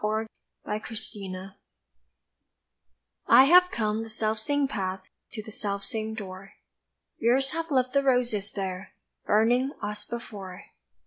DOORYARD ROSES I HAVE come the selfsame path To the selfsame door, Years have left the roses there Burning as before.